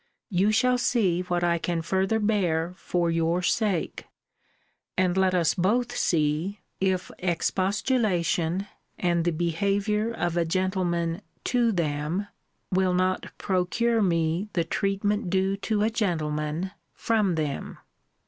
You shall see what I can further bear for your sake and let us both see, if expostulation, and the behaviour of a gentleman to them, will not procure me the treatment due to a gentleman from them.